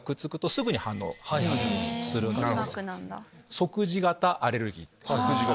即時型アレルギー。